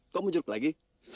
kau muncul lagi